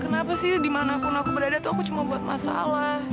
kenapa sih dimanapun aku berada tuh aku cuma buat masalah